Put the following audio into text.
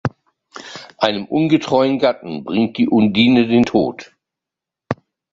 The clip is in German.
Einem untreuen Gatten bringt die Undine den Tod.